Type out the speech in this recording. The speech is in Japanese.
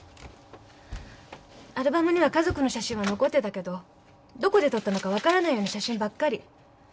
アルバムには家族の写真は残ってたけどどこで撮ったのか分からないような写真ばっかり。